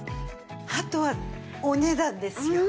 あとはお値段ですよ。